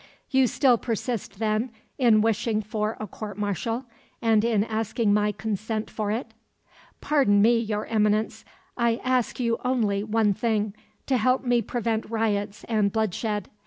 "You still persist, then, in wishing for a court martial, and in asking my consent to it?" "Pardon me, Your Eminence; I ask you only one thing to help me prevent riots and bloodshed.